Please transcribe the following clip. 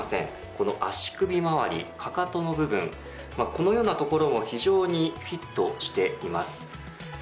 この足首周り、かかとの部分このようなところも非常にフィットしています。